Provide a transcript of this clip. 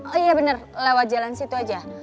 oh iya bener lewat jalan situ aja